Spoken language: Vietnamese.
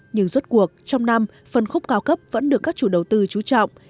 nhưng rốt cuộc trong năm phân khúc cao cấp vẫn được các chủ đầu tư trú trọng